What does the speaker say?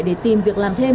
để tìm việc làm thêm